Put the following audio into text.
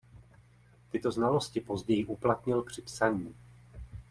Tyto znalosti později uplatnil při psaní.